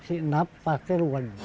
enak pasti ruan